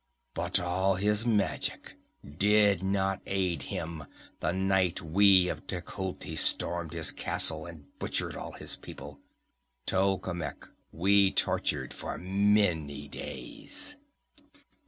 But all his magic did not aid him the night we of Tecuhltli stormed his castle and butchered all his people. Tolkemec we tortured for many days."